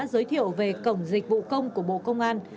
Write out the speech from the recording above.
giới thiệu về cổng dịch vụ công của bộ công an